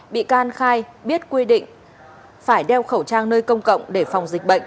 bị can khai biết quy định phải đeo khẩu trang nơi công cộng để phòng dịch bệnh